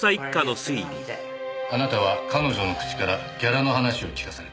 あなたは彼女の口からギャラの話を聞かされた。